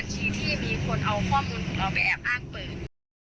ชี้ที่มีคนเอาข้อมูลของเราไปแอบอ้างเปิด